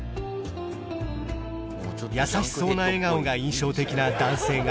優しそうな笑顔が印象的な男性が来店